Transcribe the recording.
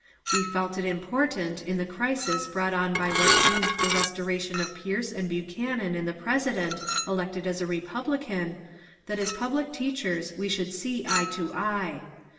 We felt it important in the crisis brought on by what seemed the restoration of Pierce and Buchanan in the President elected as a Republican, that as public teachers we should see eye to eye.